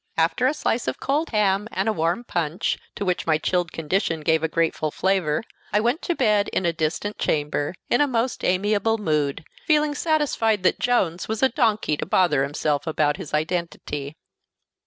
After a slice of cold ham, and a warm punch, to which my chilled condition gave a grateful flavor, I went to bed in a distant chamber in a most amiable mood, feeling satisfied that Jones was a donkey to bother himself about his identity.